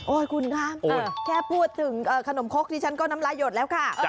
โอ๊ยคุณน้ำแค่พูดถึงขนมครกที่ฉันก็น้ำลายดแล้วค่ะ